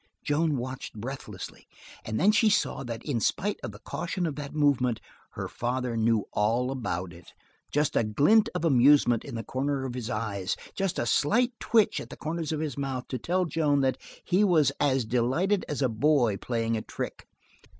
Joan watched breathlessly and then she saw that in spite of the caution of that movement her father knew all about it just a glint of amusement in the corner of his eyes, just a slight twitch at the corners of his mouth to tell Joan that he was as delighted as a boy playing a trick.